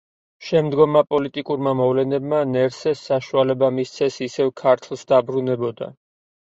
შემდგომმა პოლიტიკურმა მოვლენებმა ნერსეს საშუალება მისცა ისევ ქართლს დაბრუნებოდა.